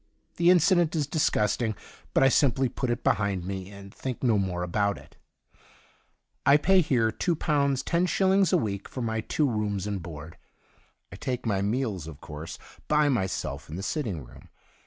The incident is disgusting, but I simply put it behind me, and think no more about it. I pay here two pounds ten shillings a week for my two rooms and board. I take my meals, of course, by^ myself in 12 THE DIARY OF A GOD the sitting room.